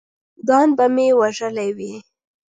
ځان به مې وژلی وي!